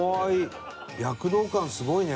「躍動感すごいね」